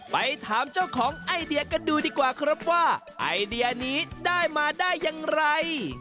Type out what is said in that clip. ไปถามเจ้าของไอเดียกันดูดีกว่าครับว่าไอเดียนี้ได้มาได้อย่างไร